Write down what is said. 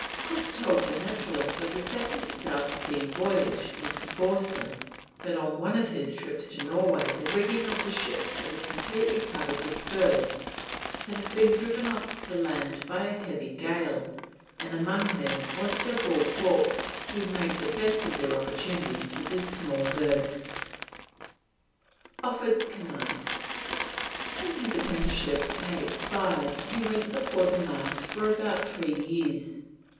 Cook told the naturalist of the second South Sea voyage, Mr. Forster, that on one of his trips to Norway the rigging of the ship was completely covered with birds that had been driven off the land by a heavy gale, and amongst them were several hawks who made the best of their opportunities with the small birds. OFFERED COMMAND. When his apprenticeship had expired he went before the mast for about three years.